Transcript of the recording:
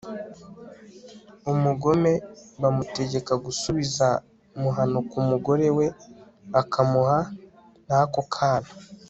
umugome. bamutegeka gusubiza muhanuka umugore we akamuha n'ako kana